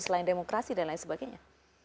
selain demokrasi dan lain sebagainya